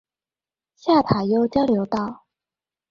下塔悠交流道